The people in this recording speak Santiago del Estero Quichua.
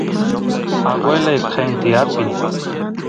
aguelay qenti apin